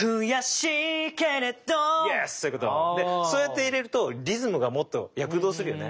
でそうやって入れるとリズムがもっと躍動するよね。